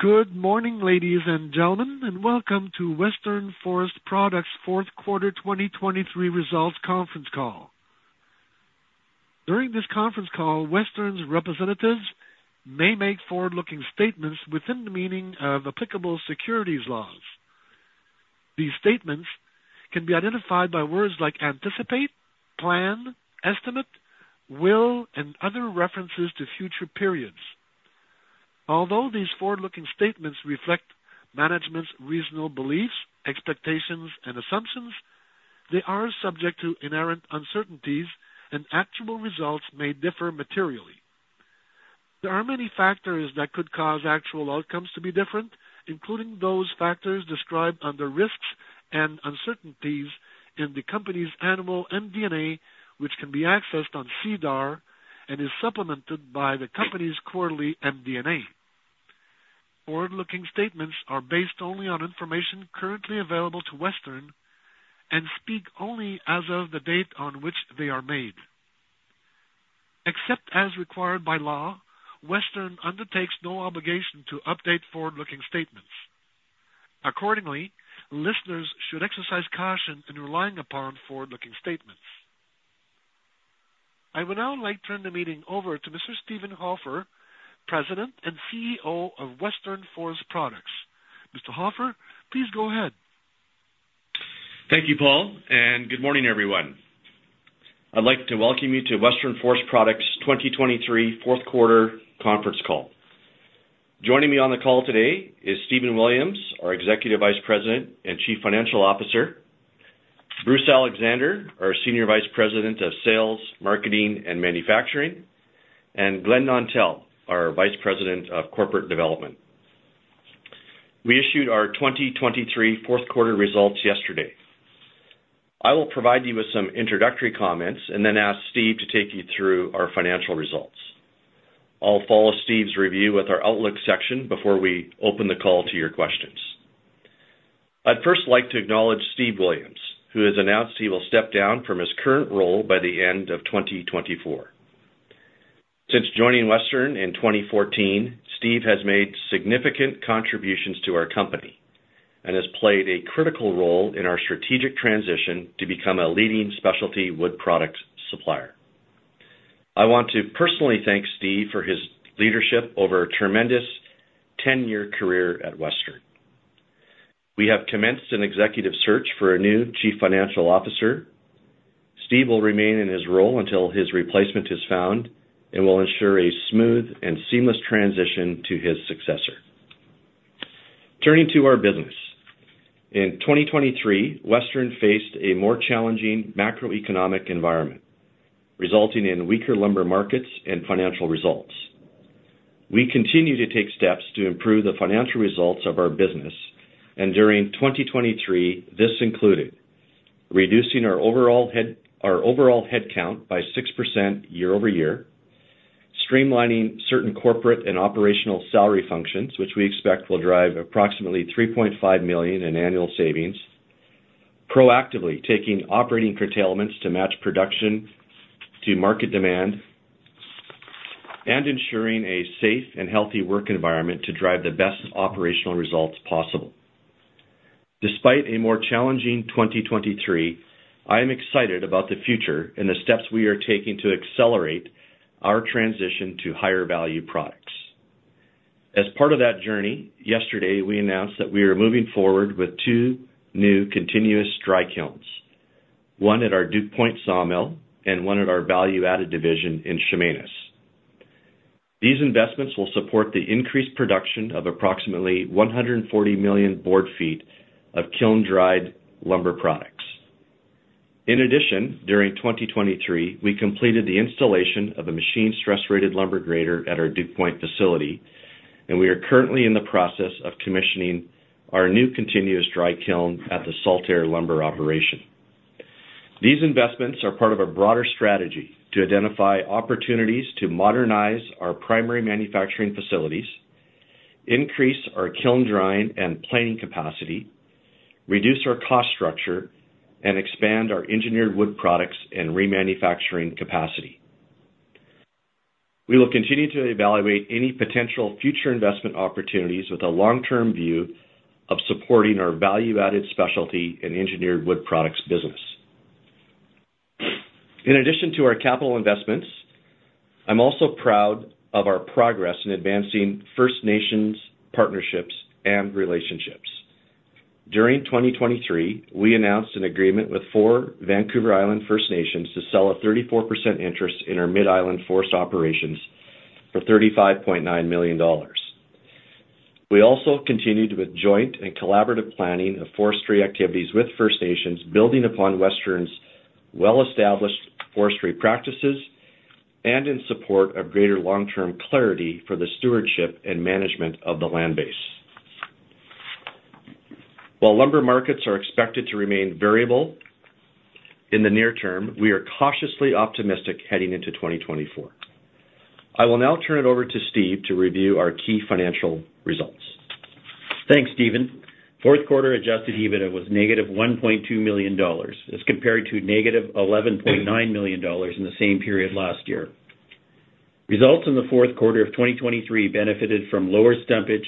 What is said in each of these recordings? Good morning, ladies and gentlemen, and welcome to Western Forest Products' Q4 2023 Results Conference Call. During this conference call, Western's representatives may make forward-looking statements within the meaning of applicable securities laws. These statements can be identified by words like anticipate, plan, estimate, will, and other references to future periods. Although these forward-looking statements reflect management's reasonable beliefs, expectations, and assumptions, they are subject to inherent uncertainties, and actual results may differ materially. There are many factors that could cause actual outcomes to be different, including those factors described under risks and uncertainties in the company's annual MD&A, which can be accessed on SEDAR and is supplemented by the company's quarterly MD&A. Forward-looking statements are based only on information currently available to Western and speak only as of the date on which they are made. Except as required by law, Western undertakes no obligation to update forward-looking statements. Accordingly, listeners should exercise caution in relying upon forward-looking statements. I would now like to turn the meeting over to Mr. Steven Hofer, President and CEO of Western Forest Products. Mr. Hofer, please go ahead. Thank you, Paul, and good morning, everyone. I'd like to welcome you to Western Forest Products' 2023 Q4 Conference Call. Joining me on the call today is Stephen Williams, our Executive Vice President and Chief Financial Officer, Bruce Alexander, our Senior Vice President of Sales, Marketing, and Manufacturing, and Glen Nontell, our Vice President of Corporate Development. We issued our 2023 Q4 results yesterday. I will provide you with some introductory comments and then ask Steve to take you through our financial results. I'll follow Steve's review with our Outlook section before we open the call to your questions. I'd first like to acknowledge Steve Williams, who has announced he will step down from his current role by the end of 2024. Since joining Western in 2014, Steve has made significant contributions to our company and has played a critical role in our strategic transition to become a leading specialty wood products supplier. I want to personally thank Steve for his leadership over a tremendous 10-year career at Western. We have commenced an executive search for a new Chief Financial Officer. Steve will remain in his role until his replacement is found and will ensure a smooth and seamless transition to his successor. Turning to our business. In 2023, Western faced a more challenging macroeconomic environment, resulting in weaker lumber markets and financial results. We continue to take steps to improve the financial results of our business, and during 2023, this included: reducing our overall headcount by 6% year-over-year; streamlining certain corporate and operational salary functions, which we expect will drive approximately 3.5 million in annual savings; proactively taking operating curtailments to match production to market demand; and ensuring a safe and healthy work environment to drive the best operational results possible. Despite a more challenging 2023, I am excited about the future and the steps we are taking to accelerate our transition to higher-value products. As part of that journey, yesterday we announced that we are moving forward with two new continuous dry kilns, one at our Duke Point Sawmill and one at our Value-Added Division in Chemainus. These investments will support the increased production of approximately 140 million board feet of kiln-dried lumber products. In addition, during 2023, we completed the installation of a machine-stress-rated lumber grader at our Duke Point facility, and we are currently in the process of commissioning our new continuous dry kiln at the Saltair lumber operation. These investments are part of a broader strategy to identify opportunities to modernize our primary manufacturing facilities, increase our kiln-drying and planing capacity, reduce our cost structure, and expand our engineered wood products and remanufacturing capacity. We will continue to evaluate any potential future investment opportunities with a long-term view of supporting our value-added specialty and engineered wood products business. In addition to our capital investments, I'm also proud of our progress in advancing First Nations partnerships and relationships. During 2023, we announced an agreement with four Vancouver Island First Nations to sell a 34% interest in our Mid-Island Forest Operations for 35.9 million dollars. We also continued with joint and collaborative planning of forestry activities with First Nations, building upon Western's well-established forestry practices and in support of greater long-term clarity for the stewardship and management of the land base. While lumber markets are expected to remain variable in the near term, we are cautiously optimistic heading into 2024. I will now turn it over to Steve to review our key financial results. Thanks, Steven. Q4 Adjusted EBITDA was negative 1.2 million dollars as compared to negative 11.9 million dollars in the same period last year. Results in the Q4 of 2023 benefited from lower stumpage,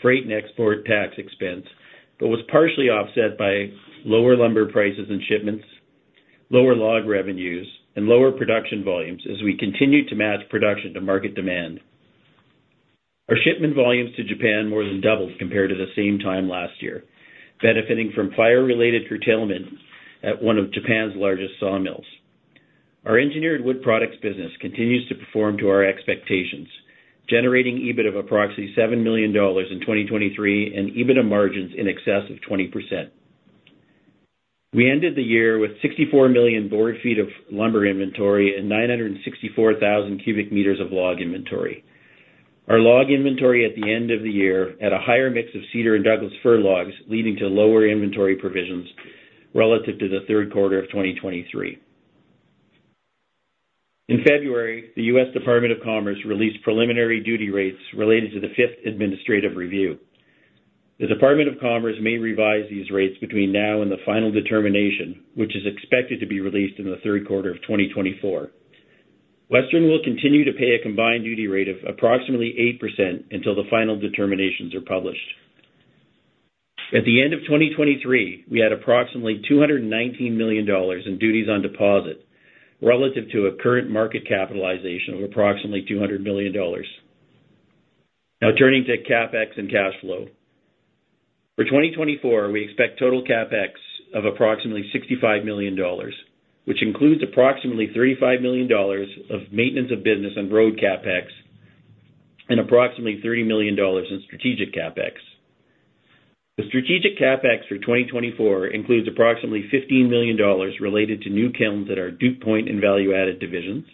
freight, and export tax expense but was partially offset by lower lumber prices and shipments, lower log revenues, and lower production volumes as we continued to match production to market demand. Our shipment volumes to Japan more than doubled compared to the same time last year, benefiting from fire-related curtailment at one of Japan's largest sawmills. Our engineered wood products business continues to perform to our expectations, generating EBITDA of approximately 7 million dollars in 2023 and EBITDA margins in excess of 20%. We ended the year with 64 million board feet of lumber inventory and 964,000 cubic meters of log inventory. Our log inventory at the end of the year had a higher mix of cedar and Douglas fir logs, leading to lower inventory provisions relative to the Q3 of 2023. In February, the U.S. Department of Commerce released preliminary duty rates related to the fifth administrative review. The Department of Commerce may revise these rates between now and the final determination, which is expected to be released in the Q3 of 2024. Western will continue to pay a combined duty rate of approximately 8% until the final determinations are published. At the end of 2023, we had approximately $219 million in duties on deposit relative to a current market capitalization of approximately $200 million. Now turning to CapEx and cash flow. For 2024, we expect total CapEx of approximately 65 million dollars, which includes approximately 35 million dollars of maintenance of business and road CapEx and approximately 30 million dollars in strategic CapEx. The strategic CapEx for 2024 includes approximately 15 million dollars related to new kilns at our Duke Point and Value-Added divisions.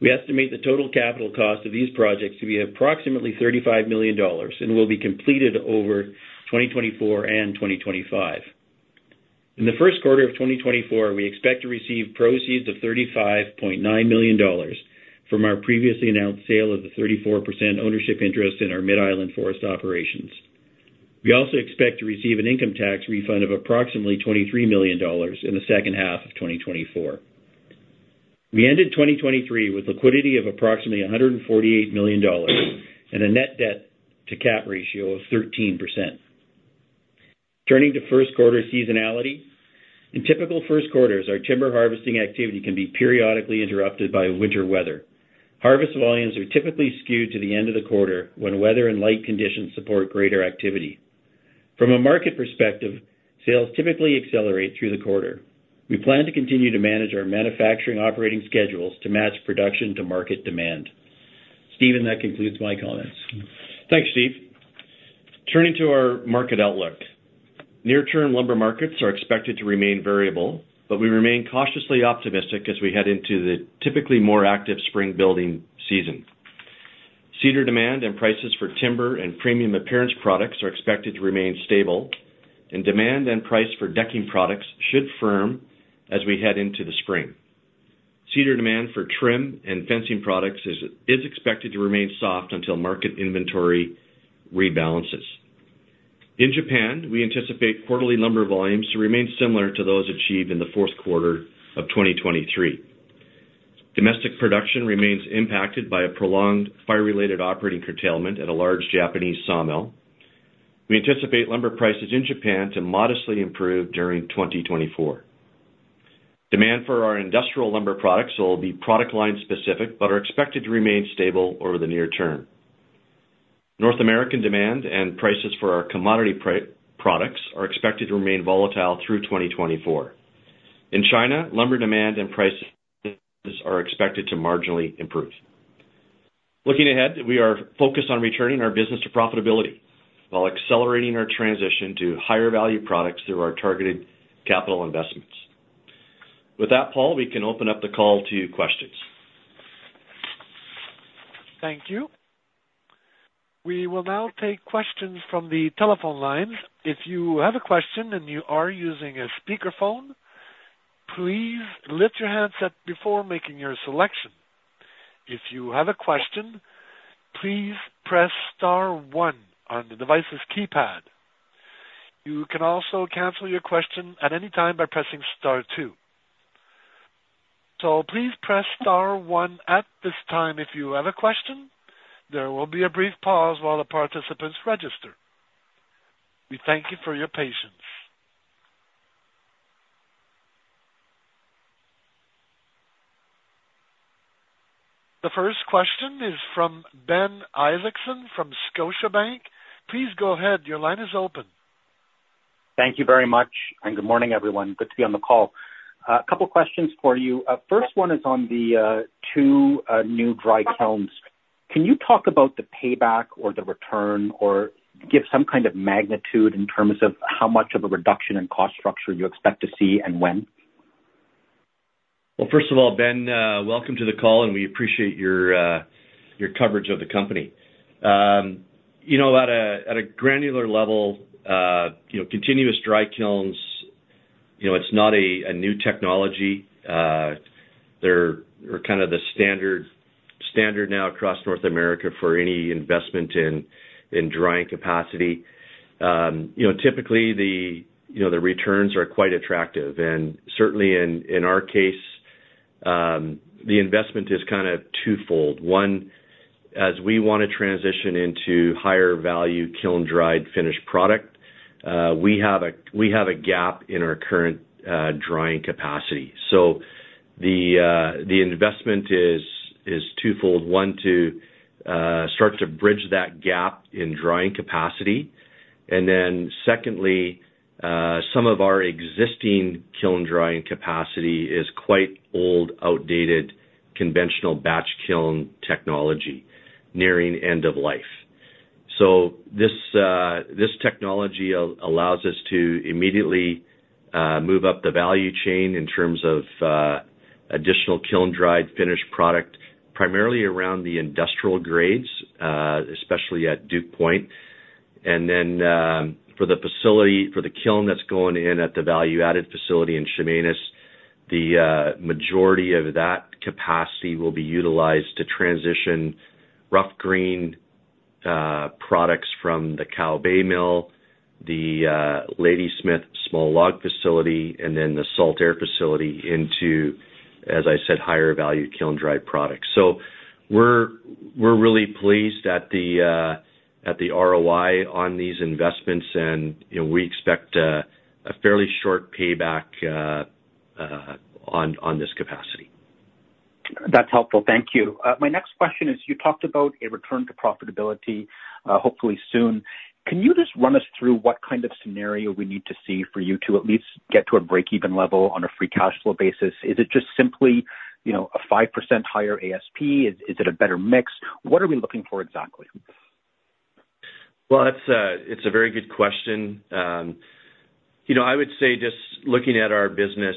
We estimate the total capital cost of these projects to be approximately 35 million dollars and will be completed over 2024 and 2025. In the Q1 of 2024, we expect to receive proceeds of 35.9 million dollars from our previously announced sale of the 34% ownership interest in our Mid-Island Forest Operations. We also expect to receive an income tax refund of approximately 23 million dollars in the second half of 2024. We ended 2023 with liquidity of approximately 148 million dollars and a net debt-to-cap ratio of 13%. Turning to Q1 seasonality. In typical Q1, our timber harvesting activity can be periodically interrupted by winter weather. Harvest volumes are typically skewed to the end of the quarter when weather and light conditions support greater activity. From a market perspective, sales typically accelerate through the quarter. We plan to continue to manage our manufacturing operating schedules to match production to market demand. Steven, that concludes my comments. Thanks, Steve. Turning to our market outlook. Near-term lumber markets are expected to remain variable, but we remain cautiously optimistic as we head into the typically more active spring building season. Cedar demand and prices for timber and premium appearance products are expected to remain stable, and demand and price for decking products should firm as we head into the spring. Cedar demand for trim and fencing products is expected to remain soft until market inventory rebalances. In Japan, we anticipate quarterly lumber volumes to remain similar to those achieved in the Q4 of 2023. Domestic production remains impacted by a prolonged fire-related operating curtailment at a large Japanese sawmill. We anticipate lumber prices in Japan to modestly improve during 2024. Demand for our industrial lumber products will be product line specific but are expected to remain stable over the near term. North American demand and prices for our commodity products are expected to remain volatile through 2024. In China, lumber demand and prices are expected to marginally improve. Looking ahead, we are focused on returning our business to profitability while accelerating our transition to higher-value products through our targeted capital investments. With that, Paul, we can open up the call to questions. Thank you. We will now take questions from the telephone lines. If you have a question and you are using a speakerphone, please lift your handset before making your selection. If you have a question, please press star one on the device's keypad. You can also cancel your question at any time by pressing star two. So please press star 1 at this time if you have a question. There will be a brief pause while the participants register. We thank you for your patience. The first question is from Ben Isaacson from Scotiabank. Please go ahead. Your line is open. Thank you very much, and good morning, everyone. Good to be on the call. A couple of questions for you. First one is on the two new dry kilns. Can you talk about the payback or the return or give some kind of magnitude in terms of how much of a reduction in cost structure you expect to see and when? Well, first of all, Ben, welcome to the call, and we appreciate your coverage of the company. At a granular level, continuous dry kilns. It's not a new technology. They're kind of the standard now across North America for any investment in drying capacity. Typically, the returns are quite attractive. And certainly, in our case, the investment is kind of twofold. One, as we want to transition into higher-value kiln-dried finished product, we have a gap in our current drying capacity. So the investment is twofold. One, to start to bridge that gap in drying capacity. And then secondly, some of our existing kiln-drying capacity is quite old, outdated conventional batch kiln technology, nearing end of life. So this technology allows us to immediately move up the value chain in terms of additional kiln-dried finished product, primarily around the industrial grades, especially at Duke Point. And then for the kiln that's going in at the value-added facility in Chemainus, the majority of that capacity will be utilized to transition rough green products from the Cow Bay Mill, the Ladysmith Small Log Facility, and then the Saltair Facility into, as I said, higher-value kiln-dried products. So we're really pleased at the ROI on these investments, and we expect a fairly short payback on this capacity. That's helpful. Thank you. My next question is, you talked about a return to profitability, hopefully soon. Can you just run us through what kind of scenario we need to see for you to at least get to a breakeven level on a free cash flow basis? Is it just simply a 5% higher ASP? Is it a better mix? What are we looking for exactly? Well, it's a very good question. I would say just looking at our business,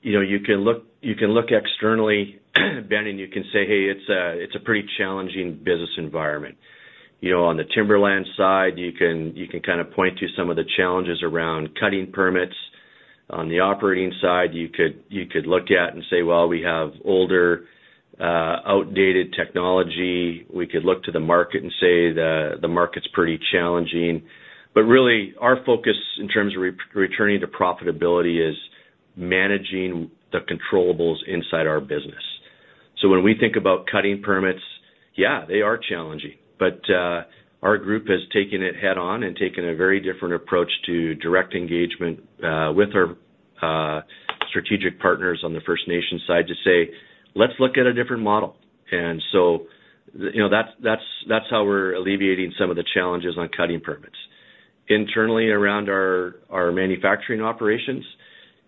you can look externally, Ben, and you can say, "Hey, it's a pretty challenging business environment." On the timberland side, you can kind of point to some of the challenges around cutting permits. On the operating side, you could look at and say, "Well, we have older, outdated technology." We could look to the market and say, "The market's pretty challenging." But really, our focus in terms of returning to profitability is managing the controllables inside our business. So when we think about cutting permits, yeah, they are challenging. But our group has taken it head-on and taken a very different approach to direct engagement with our strategic partners on the First Nations side to say, "Let's look at a different model." And so that's how we're alleviating some of the challenges on cutting permits. Internally, around our manufacturing operations,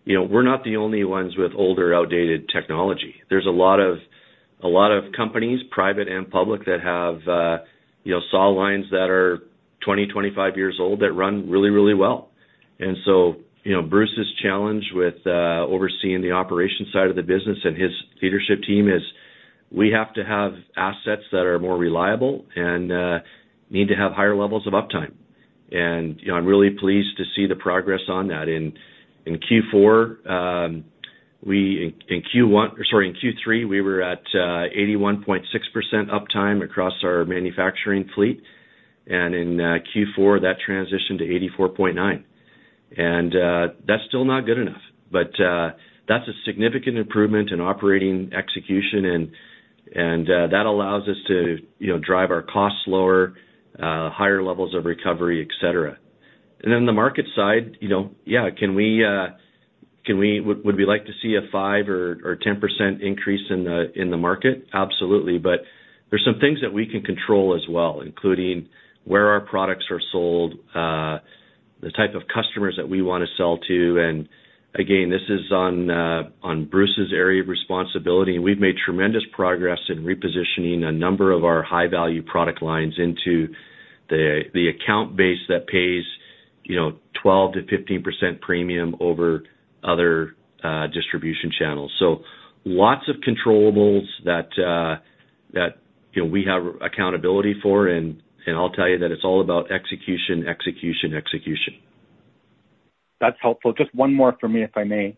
we're not the only ones with older, outdated technology. There's a lot of companies, private and public, that have saw lines that are 20, 25 years old that run really, really well. So Bruce's challenge with overseeing the operation side of the business and his leadership team is we have to have assets that are more reliable and need to have higher levels of uptime. And I'm really pleased to see the progress on that. In Q3, we were at 81.6% uptime across our manufacturing fleet. And in Q4, that transitioned to 84.9%. And that's still not good enough. But that's a significant improvement in operating execution, and that allows us to drive our costs lower, higher levels of recovery, etc. And then the market side, yeah, can we would we like to see a 5% or 10% increase in the market? Absolutely. But there's some things that we can control as well, including where our products are sold, the type of customers that we want to sell to. And again, this is on Bruce's area of responsibility. We've made tremendous progress in repositioning a number of our high-value product lines into the account base that pays 12%-15% premium over other distribution channels. So lots of controllables that we have accountability for, and I'll tell you that it's all about execution, execution, execution. That's helpful. Just one more for me, if I may.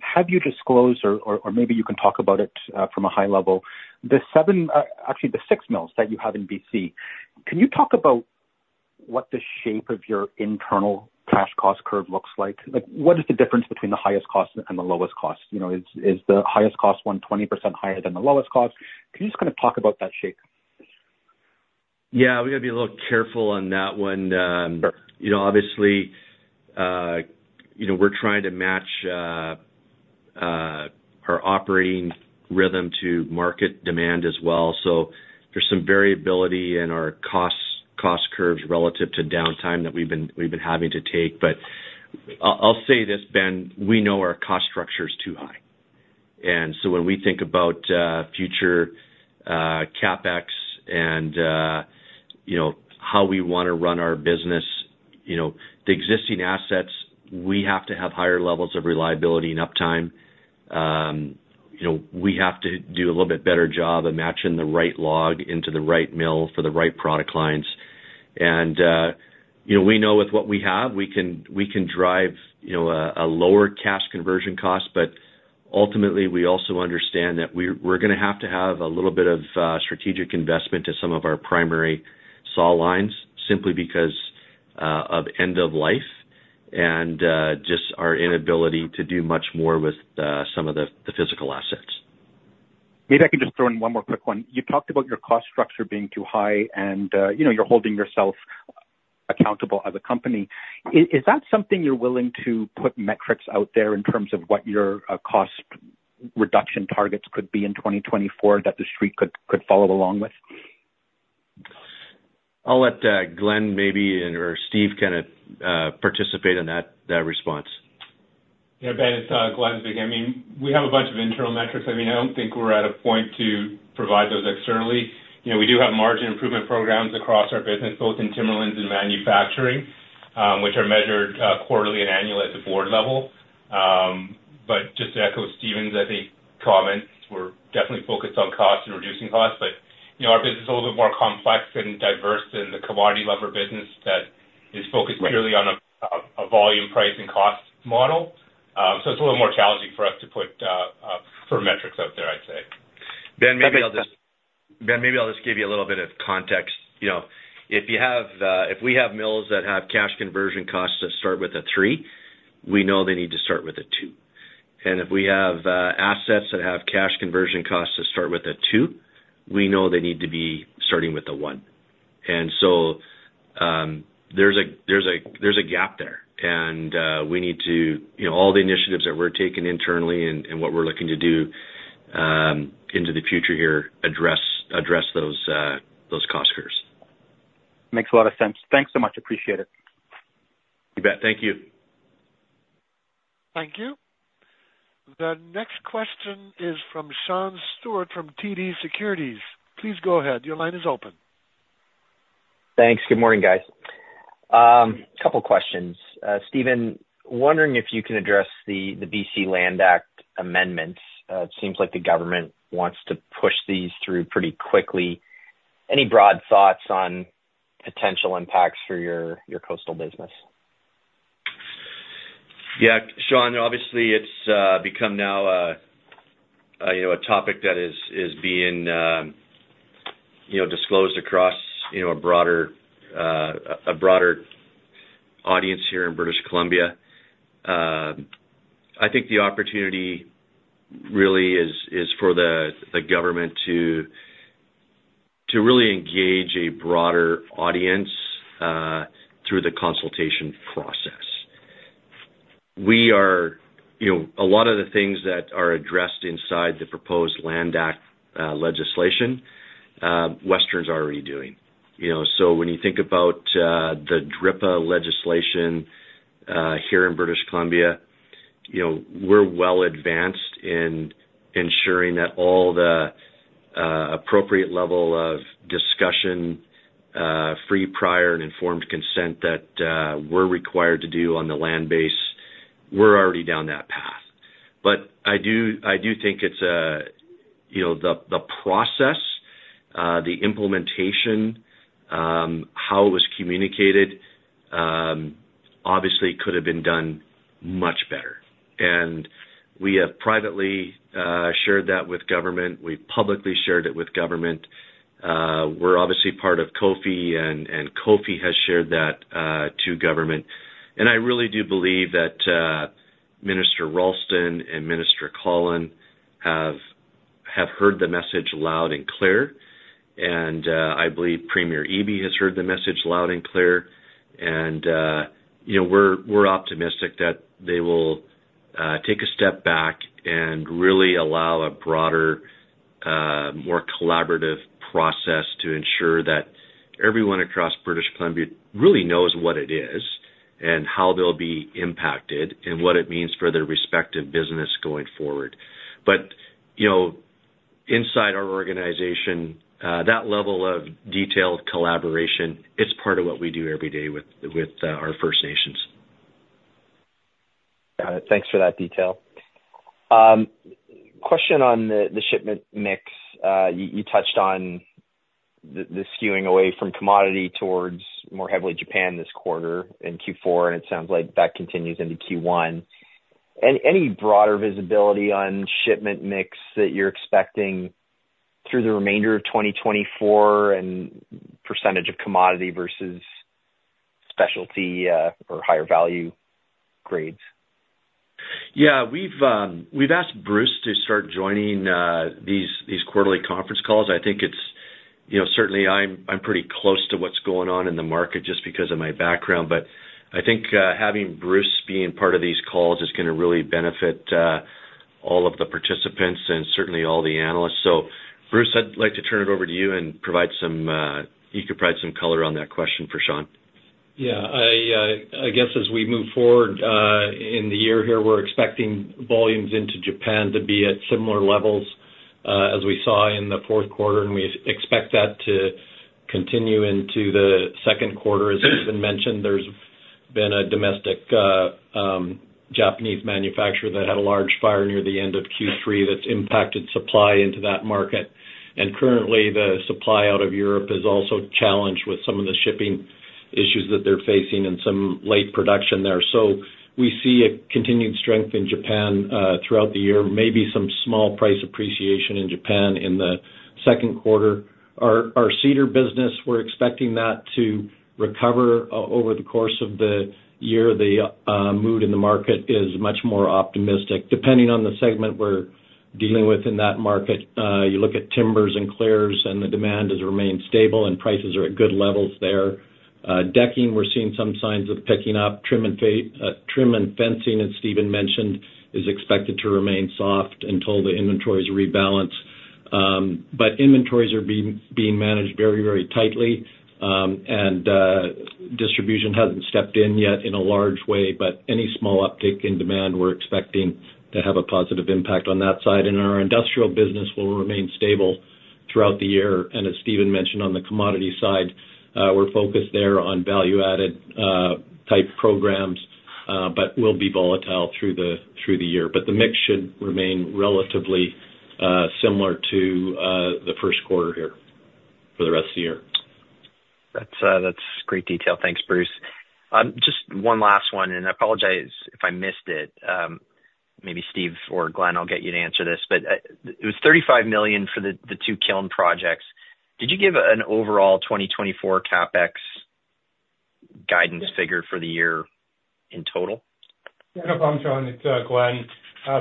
Have you disclosed or maybe you can talk about it from a high level? Actually, the six mills that you have in BC, can you talk about what the shape of your internal cash cost curve looks like? What is the difference between the highest cost and the lowest cost? Is the highest cost one 20% higher than the lowest cost? Can you just kind of talk about that shape? Yeah. We got to be a little careful on that one. Obviously, we're trying to match our operating rhythm to market demand as well. So there's some variability in our cost curves relative to downtime that we've been having to take. But I'll say this, Ben, we know our cost structure is too high. And so when we think about future CapEx and how we want to run our business, the existing assets, we have to have higher levels of reliability and uptime. We have to do a little bit better job of matching the right log into the right mill for the right product lines. And we know with what we have, we can drive a lower cash conversion cost. But ultimately, we also understand that we're going to have to have a little bit of strategic investment to some of our primary saw lines simply because of end of life and just our inability to do much more with some of the physical assets. Maybe I can just throw in one more quick one. You talked about your cost structure being too high and you're holding yourself accountable as a company. Is that something you're willing to put metrics out there in terms of what your cost reduction targets could be in 2024 that the street could follow along with? I'll let Glen maybe or Steve kind of participate in that response. Yeah, Ben, it's Glen speaking. I mean, we have a bunch of internal metrics. I mean, I don't think we're at a point to provide those externally. We do have margin improvement programs across our business, both in timberlands and manufacturing, which are measured quarterly and annually at the board level. But just to echo Steven's, I think, comments, we're definitely focused on cost and reducing costs. But our business is a little bit more complex and diverse than the commodity lumber business that is focused purely on a volume, price, and cost model. So it's a little more challenging for us to put forth metrics out there, I'd say. Ben, maybe I'll just give you a little bit of context. If we have mills that have cash conversion costs that start with a 3, we know they need to start with a 2. And if we have assets that have cash conversion costs that start with a 2, we know they need to be starting with a 1. And so there's a gap there, and we need to all the initiatives that we're taking internally and what we're looking to do into the future here address those cost curves. Makes a lot of sense. Thanks so much. Appreciate it. You bet. Thank you. Thank you. The next question is from Sean Steuart from TD Securities. Please go ahead. Your line is open. Thanks. Good morning, guys. A couple of questions. Steven, wondering if you can address the B.C. Land Act amendments. It seems like the government wants to push these through pretty quickly. Any broad thoughts on potential impacts for your coastal business? Yeah, Sean, obviously, it's become now a topic that is being disclosed across a broader audience here in British Columbia. I think the opportunity really is for the government to really engage a broader audience through the consultation process. A lot of the things that are addressed inside the proposed Land Act legislation, Western's already doing. So when you think about the DRIPA legislation here in British Columbia, we're well advanced in ensuring that all the appropriate level of discussion, free prior, and informed consent that we're required to do on the land base, we're already down that path. But I do think it's the process, the implementation, how it was communicated, obviously, could have been done much better. And we have privately shared that with government. We've publicly shared it with government. We're obviously part of COFI, and COFI has shared that to government. I really do believe that Minister Ralston and Minister Cullen have heard the message loud and clear. I believe Premier Eby has heard the message loud and clear. We're optimistic that they will take a step back and really allow a broader, more collaborative process to ensure that everyone across British Columbia really knows what it is and how they'll be impacted and what it means for their respective business going forward. Inside our organization, that level of detailed collaboration, it's part of what we do every day with our First Nations. Got it. Thanks for that detail. Question on the shipment mix. You touched on the skewing away from commodity towards more heavily Japan this quarter in Q4, and it sounds like that continues into Q1. Any broader visibility on shipment mix that you're expecting through the remainder of 2024 and percentage of commodity versus specialty or higher value grades? Yeah. We've asked Bruce to start joining these quarterly conference calls. I think it's certainly. I'm pretty close to what's going on in the market just because of my background. But I think having Bruce being part of these calls is going to really benefit all of the participants and certainly all the analysts. So Bruce, I'd like to turn it over to you and you could provide some color on that question for Sean. Yeah. I guess as we move forward in the year here, we're expecting volumes into Japan to be at similar levels as we saw in the Q4. And we expect that to continue into the Q2. As I've mentioned, there's been a domestic Japanese manufacturer that had a large fire near the end of Q3 that's impacted supply into that market. And currently, the supply out of Europe is also challenged with some of the shipping issues that they're facing and some late production there. So we see a continued strength in Japan throughout the year, maybe some small price appreciation in Japan in the Q2. Our cedar business, we're expecting that to recover over the course of the year. The mood in the market is much more optimistic. Depending on the segment we're dealing with in that market, you look at timbers and clears, and the demand has remained stable, and prices are at good levels there. Decking, we're seeing some signs of picking up. Trim and fencing, as Steven mentioned, is expected to remain soft until the inventories rebalance. Inventories are being managed very, very tightly, and distribution hasn't stepped in yet in a large way. Any small uptick in demand, we're expecting to have a positive impact on that side. Our industrial business will remain stable throughout the year. As Steven mentioned, on the commodity side, we're focused there on value-added type programs but will be volatile through the year. The mix should remain relatively similar to the Q1 here for the rest of the year. That's great detail. Thanks, Bruce. Just one last one, and I apologize if I missed it. Maybe Steve or Glen, I'll get you to answer this. But it was 35 million for the two kiln projects. Did you give an overall 2024 CapEx guidance figure for the year in total? Yeah. No problem, Sean. It's Glen.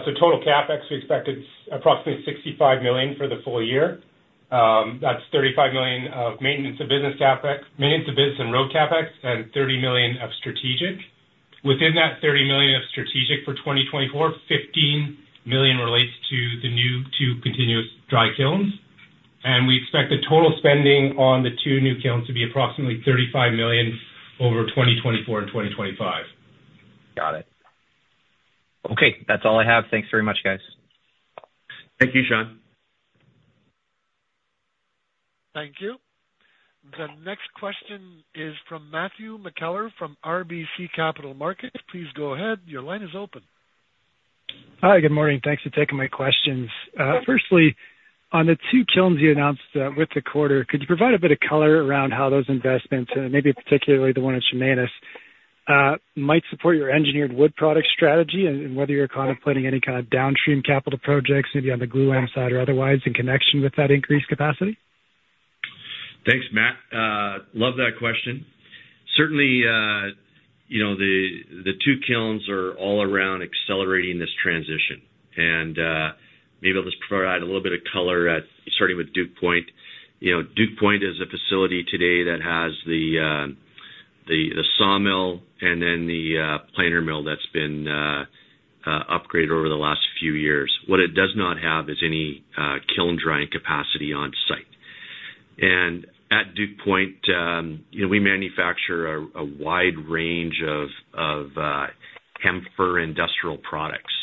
So total CapEx, we expected approximately 65 million for the full year. That's 35 million of maintenance of business CapEx maintenance of business and road CapEx and 30 million of strategic. Within that 30 million of strategic for 2024, 15 million relates to the new two continuous dry kilns. And we expect the total spending on the two new kilns to be approximately 35 million over 2024 and 2025. Got it. Okay. That's all I have. Thanks very much, guys. Thank you, Sean. Thank you. The next question is from Matthew McKellar from RBC Capital Markets. Please go ahead. Your line is open. Hi. Good morning. Thanks for taking my questions. Firstly, on the two kilns you announced with the quarter, could you provide a bit of color around how those investments, and maybe particularly the one at Chemainus, might support your engineered wood product strategy and whether you're contemplating any kind of downstream capital projects, maybe on the glulam side or otherwise, in connection with that increased capacity? Thanks, Matt. Love that question. Certainly, the two kilns are all around accelerating this transition. Maybe I'll just provide a little bit of color starting with Duke Point. Duke Point is a facility today that has the sawmill and then the planer mill that's been upgraded over the last few years. What it does not have is any kiln-drying capacity on site. And at Duke Point, we manufacture a wide range of Hem-Fir industrial products.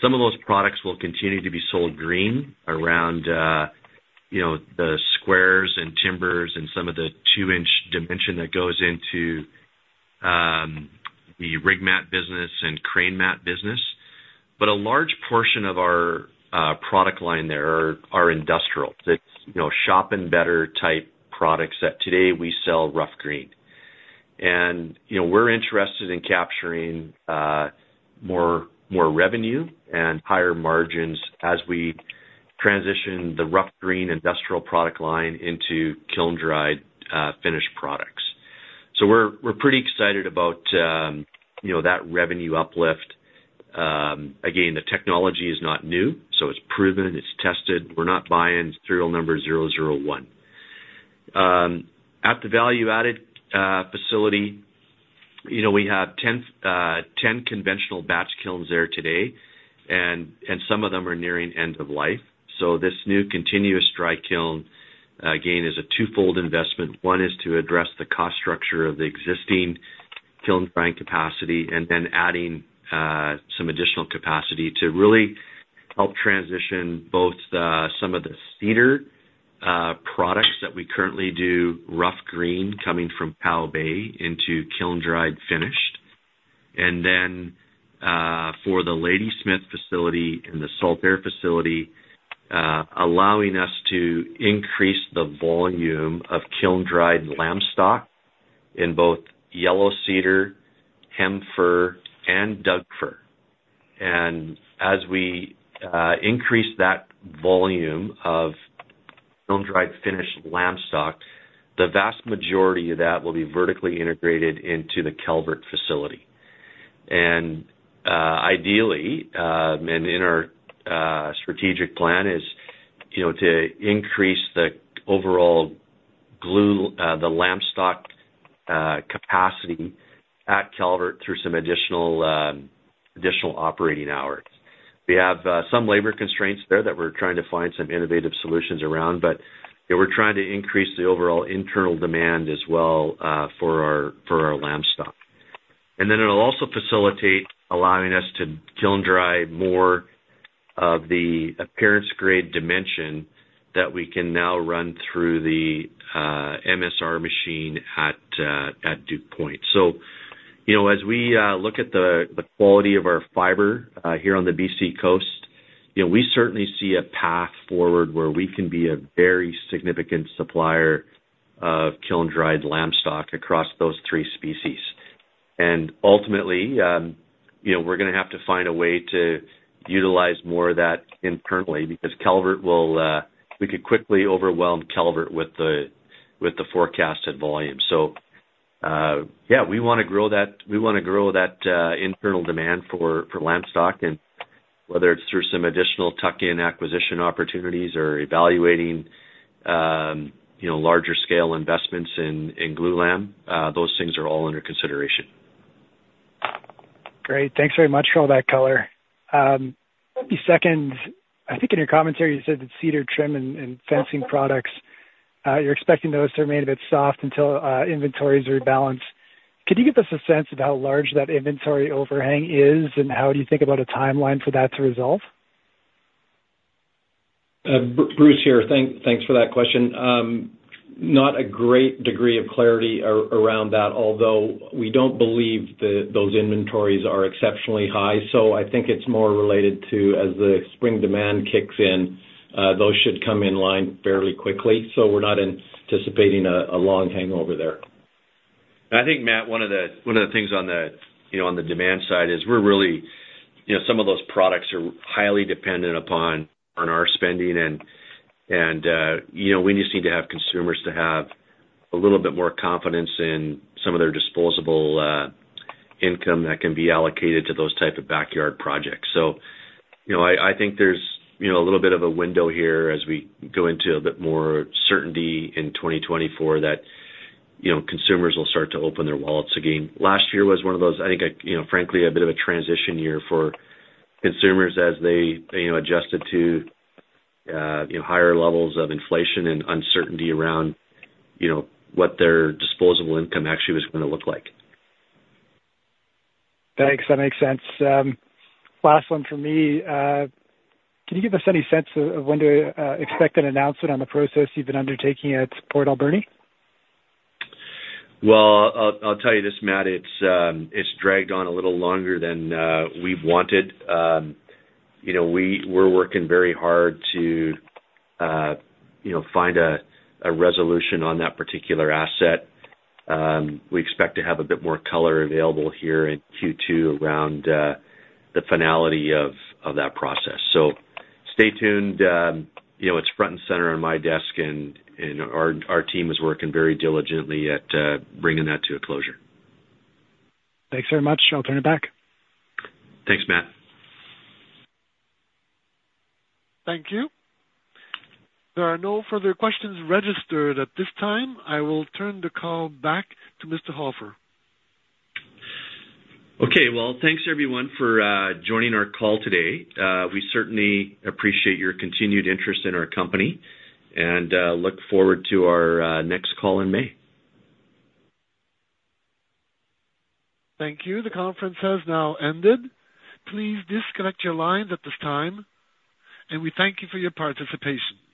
Some of those products will continue to be sold green around the squares and timbers and some of the two-inch dimension that goes into the rig mat business and crane mat business. But a large portion of our product line there are industrial. It's shop and better type products that today we sell rough green. We're interested in capturing more revenue and higher margins as we transition the rough green industrial product line into kiln-dried finished products. We're pretty excited about that revenue uplift. Again, the technology is not new, so it's proven. It's tested. We're not buying serial number 001. At the value-added facility, we have 10 conventional batch kilns there today, and some of them are nearing end of life. This new continuous dry kiln, again, is a twofold investment. 1 is to address the cost structure of the existing kiln-drying capacity and then adding some additional capacity to really help transition both some of the cedar products that we currently do rough green coming from Cow Bay into kiln-dried finished. Then for the Ladysmith facility and the Saltair facility, allowing us to increase the volume of kiln-dried lam stock in both Yellow Cedar, Hem-Fir, and Douglas fir. As we increase that volume of kiln-dried finished lam stock, the vast majority of that will be vertically integrated into the Chemainus facility. Ideally, and in our strategic plan, is to increase the overall lam stock capacity at Chemainus through some additional operating hours. We have some labor constraints there that we're trying to find some innovative solutions around, but we're trying to increase the overall internal demand as well for our lam stock. Then it'll also facilitate allowing us to kiln-dry more of the appearance-grade dimension that we can now run through the MSR machine at Duke Point. So as we look at the quality of our fiber here on the BC coast, we certainly see a path forward where we can be a very significant supplier of kiln-dried lam stock across those three species. And ultimately, we're going to have to find a way to utilize more of that internally because Calvert, we could quickly overwhelm Calvert with the forecasted volume. So yeah, we want to grow that; we want to grow that internal demand for lam stock. And whether it's through some additional tuck-in acquisition opportunities or evaluating larger-scale investments in glulam, those things are all under consideration. Great. Thanks very much for all that color. A few seconds. I think in your commentary, you said that cedar trim and fencing products, you're expecting those to remain a bit soft until inventories rebalance. Could you give us a sense of how large that inventory overhang is, and how do you think about a timeline for that to resolve? Bruce here. Thanks for that question. Not a great degree of clarity around that, although we don't believe those inventories are exceptionally high. So I think it's more related to as the spring demand kicks in, those should come in line fairly quickly. So we're not anticipating a long hangover there. I think, Matt, one of the things on the demand side is we're really some of those products are highly dependent upon our spending. We just need to have consumers to have a little bit more confidence in some of their disposable income that can be allocated to those type of backyard projects. I think there's a little bit of a window here as we go into a bit more certainty in 2024 that consumers will start to open their wallets again. Last year was one of those, I think, frankly, a bit of a transition year for consumers as they adjusted to higher levels of inflation and uncertainty around what their disposable income actually was going to look like. Thanks. That makes sense. Last one for me. Can you give us any sense of when to expect an announcement on the process you've been undertaking at Port Alberni? Well, I'll tell you this, Matt. It's dragged on a little longer than we've wanted. We're working very hard to find a resolution on that particular asset. We expect to have a bit more color available here in Q2 around the finality of that process. So stay tuned. It's front and center on my desk, and our team is working very diligently at bringing that to a closure. Thanks very much. I'll turn it back. Thanks, Matt. Thank you. There are no further questions registered at this time. I will turn the call back to Mr. Hofer. Okay. Well, thanks, everyone, for joining our call today. We certainly appreciate your continued interest in our company and look forward to our next call in May. Thank you. The conference has now ended. Please disconnect your lines at this time, and we thank you for your participation.